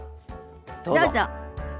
どうぞ。